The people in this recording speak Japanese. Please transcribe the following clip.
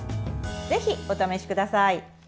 ぜひお試しください。